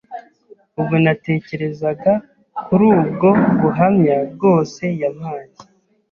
Ubwo natekerezaga kuri ubwo buhamya bwose yampaye,